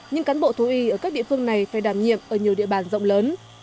những cán bộ thú y ở các địa phương này phải đảm nhiệm ở nhiều địa bàn rộng lớn